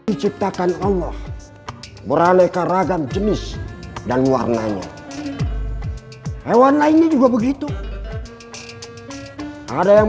diciptakan allah beraneka ragam jenis dan warnanya hewan lainnya juga begitu ada yang